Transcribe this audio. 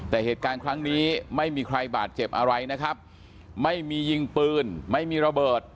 แต่เหตุการณ์ครั้งนี้ไม่มีใครบาดเจ็บอะไรนะครับไม่มียิงปืนไม่มีระเบิด